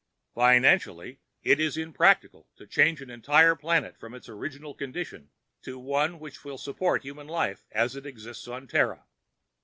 "Financially, it is impracticable to change an entire planet from its original condition to one which will support human life as it exists on Terra.